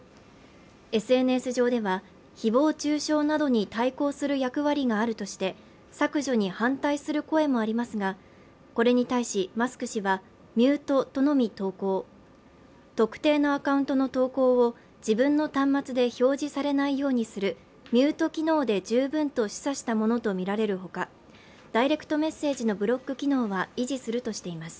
ＳＮＳ上では誹謗中傷などに対抗する役割があるとして削除に反対する声もありますが、これに対しマスク氏はミュート、とのみ投稿、特定のアカウントの投稿を自分の端末で表示されないようにするミュート機能で十分と示唆したものとみられるほか、ダイレクトメッセージのブロック機能は維持するとしています。